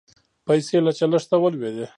پیسې له چلښته ولوېدې